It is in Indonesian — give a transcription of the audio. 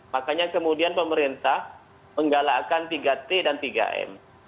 makanya kemudian pemerintah menggalakkan tiga t dan tiga m